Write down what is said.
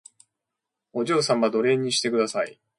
お嬢様奴隷にしてください